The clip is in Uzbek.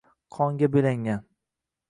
qonga boʼyalgan